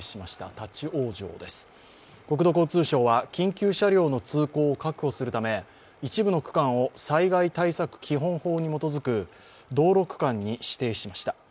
立往生です、国土交通省は緊急車両の通行を確保するため一部の区間を災害対策基本法に基づく道路区間に指定しました。